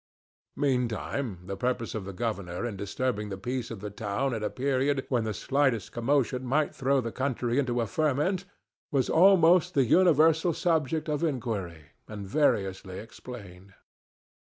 Meantime, the purpose of the governor in disturbing the peace of the town at a period when the slightest commotion might throw the country into a ferment was almost the Universal subject of inquiry, and variously explained.